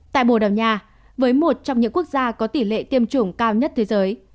tại bồ đào nha với một trong những quốc gia có tỷ lệ tiêm chủng cao nhất thế giới